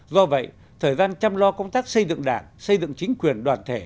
do vậy thời gian chăm lo công tác xây dựng đảng xây dựng chính quyền đoàn thể